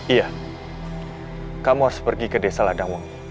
ya kamu harus pergi ke desa ladangwongi